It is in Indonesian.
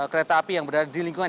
kereta api yang berada di lingkungan